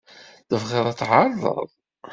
Tebɣiḍ ad tɛerḍeḍ-t?